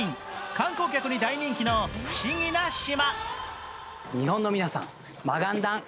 観光客に大人気の不思議な島。